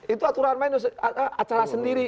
itu aturan main acara sendiri